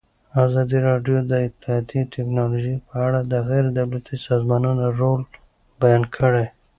ازادي راډیو د اطلاعاتی تکنالوژي په اړه د غیر دولتي سازمانونو رول بیان کړی.